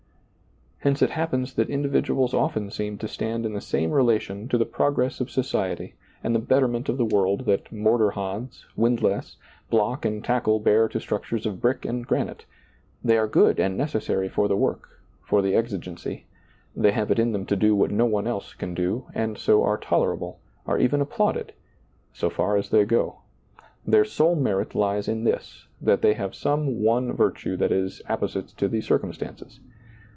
Hence it happens that indi viduals often seem to stand in the same relation to the progress of society and the betterment of the world that mortar hods, windlass, block and tackle bear to structures of brick and granite ; they are good and necessary for the work, for the exi gency ; they have it in them to do what no one else can do, and so are tolerable, are even ap plauded — so far as they go. Their sole merit lies in this, that they have some one virtue that is appo site to the circumstances.